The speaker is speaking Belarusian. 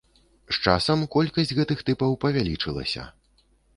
З часам колькасць гэтых тыпаў павялічылася.